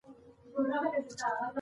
جنرال عبدالرحیم وردگ دفاع وزیر،